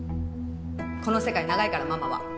この世界長いからママは。